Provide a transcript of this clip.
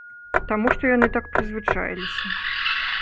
Таму што яны так прызвычаіліся.